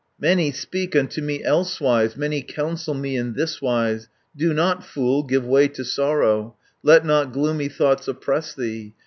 "Many speak unto me elsewise, Many counsel me in thiswise: 'Do not, fool, give way to sorrow, Let not gloomy thoughts oppress thee.'